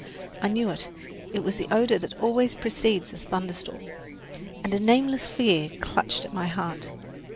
I knew it, it was the odour that always precedes a thunderstorm, and a nameless fear clutched at my heart.